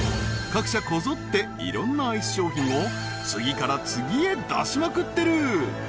各社こぞっていろんなアイス商品を次から次へ出しまくってる！